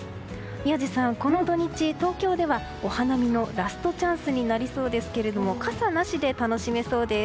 宮司さん、この土日、東京ではお花見のラストチャンスになりそうですけども傘なしで楽しめそうです。